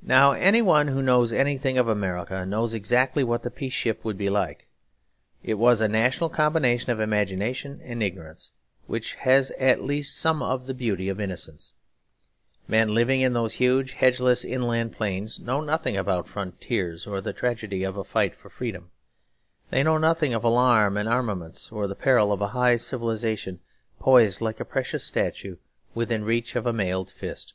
Now any one who knows anything of America knows exactly what the Peace Ship would be like. It was a national combination of imagination and ignorance, which has at least some of the beauty of innocence. Men living in those huge, hedgeless inland plains know nothing about frontiers or the tragedy of a fight for freedom; they know nothing of alarum and armaments or the peril of a high civilisation poised like a precious statue within reach of a mailed fist.